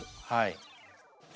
はい。